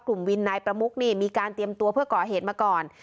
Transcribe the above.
กลุ่มวินนายประมุกนี่มีการเตรียมตัวเพื่อก่อเหตุมาก่อน